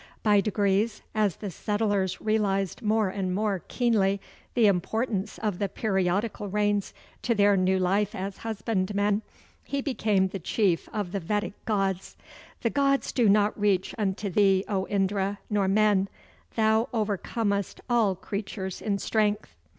By degrees, as the settlers realized more and more keenly the importance of the periodical rains to their new life as husbandmen, he became the chief of the Vedic gods. "The gods do not reach unto thee, O Indra, nor men; thou overcomest all creatures in strength."